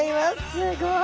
すごい！